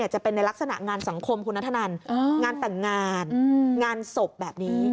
จะเป็นในลักษณะงานสังคมคุณนัทธนันงานแต่งงานงานศพแบบนี้